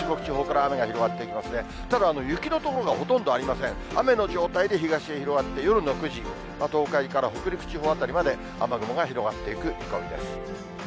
雨の状態で東へ広がって、夜の９時、東海から北陸地方辺りまで、雨雲が広がっていく見込みです。